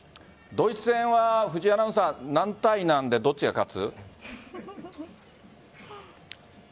ドイツ戦は藤井アナウンサー何対何でどっちが勝つ？